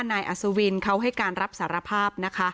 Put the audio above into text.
นายอรัสวินทร์เขาให้การรับสารภาพ